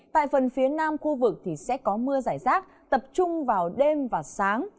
tại phần phía nam khu vực thì sẽ có mưa giải rác tập trung vào đêm và sáng